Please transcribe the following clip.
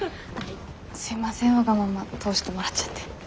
すいませんわがまま通してもらっちゃって。